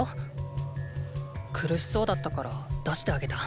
苦しそうだったから出してあげた。